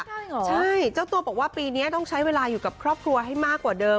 ใช่เหรอใช่เจ้าตัวบอกว่าปีนี้ต้องใช้เวลาอยู่กับครอบครัวให้มากกว่าเดิม